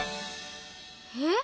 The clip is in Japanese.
えっ！？